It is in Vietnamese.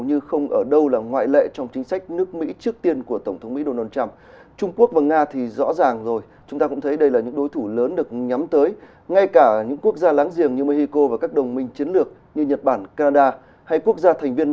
như không ở đâu là ngoại lệ trong chính sách nước mỹ nhưng nếu nhìn rộng ra thì cũng có thể thấy ở thời điểm này hầu như không ở đâu là ngoại lệ trong chính sách nước mỹ